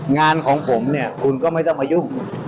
งานของผมเนี่ยคุณก็ไม่ต้องมายุ่ง